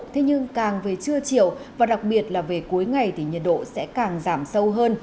thế nhưng càng về trưa chiều và đặc biệt là về cuối ngày thì nhiệt độ sẽ càng giảm sâu hơn